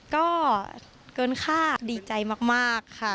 ก็เกินค่าดีใจมากค่ะ